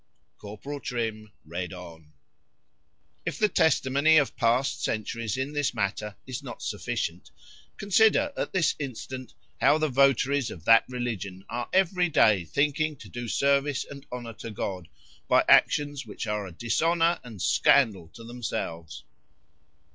Corporal Trim read on.] "If the testimony of past centuries in this matter is not sufficient,—consider at this instant, how the votaries of that religion are every day thinking to do service and honour to God, by actions which are a dishonour and scandal to themselves.